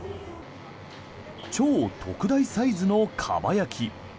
超特大サイズのかば焼き。